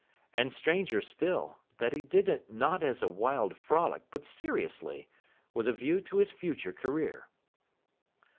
And, stranger still, that he did it not as a wild frolic but seriously, with a view to his future career.